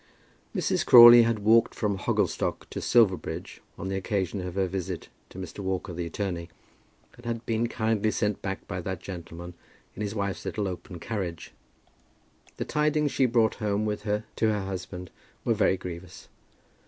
Mrs. Crawley had walked from Hogglestock to Silverbridge on the occasion of her visit to Mr. Walker, the attorney, and had been kindly sent back by that gentleman in his wife's little open carriage. The tidings she brought home with her to her husband were very grievous.